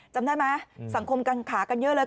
จำได้ไหมสังคมกังขากันเยอะเลย